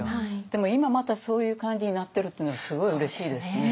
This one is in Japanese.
でも今またそういう感じになってるっていうのはすごいうれしいですね。